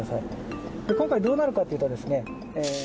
で今回どうなるかというとですね。